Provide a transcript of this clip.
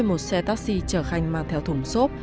một xe taxi chở khanh mang theo thùng xốp